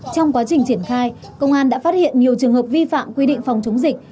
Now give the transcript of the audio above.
trong quá trình triển khai công an đã phát hiện nhiều trường hợp vi phạm quy định phòng chống dịch